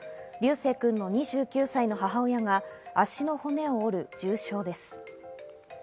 琉正くんの２９歳の母親が足の骨を折る重傷です。